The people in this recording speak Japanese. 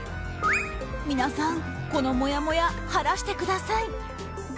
皆さん、このもやもや晴らしてください！